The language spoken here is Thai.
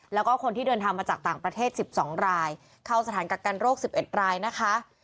แล้วก็คนที่เดินทางมาจากต่างประเทศ๑๒รายเข้าสถานกักกันโรค๑๑รายนะคะ